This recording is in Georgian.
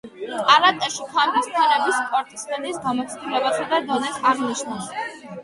კარატეში ქამრის ფერები სპორტსმენის გამოცდილებასა და დონეს აღნიშნავს.